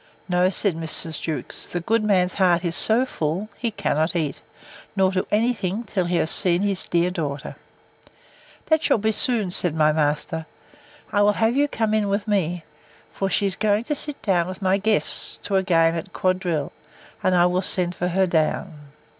No, said Mrs. Jewkes; the good man's heart is so full, he cannot eat, nor do any thing, till he has seen his dear daughter. That shall soon be, said my master. I will have you come in with me; for she is going to sit down with my guests, to a game at quadrille; and I will send for her down.